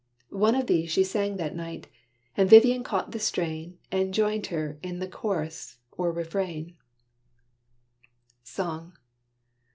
One of these She sang that night; and Vivian caught the strain, And joined her in the chorus, or refrain, SONG.